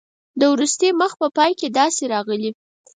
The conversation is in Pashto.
د وروستي مخ په پای کې داسې راغلي.